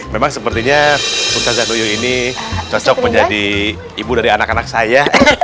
memang sepertinya ustadz zah nuyuh ini cocok menjadi ibu dari anak anak saya